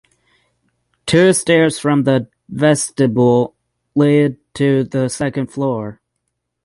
Two stairs from the vestibule lead to the second floor.